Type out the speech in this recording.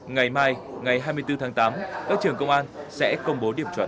ngày mai ngày hai mươi bốn tháng tám các trường công an sẽ công bố điểm chuẩn